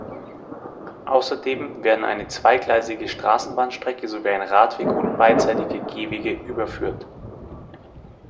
Außerdem werden eine zweigleisige Straßenbahnstrecke sowie ein Radweg und beidseitige Gehwege überführt.